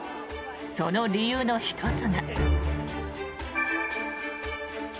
その理由の１つが。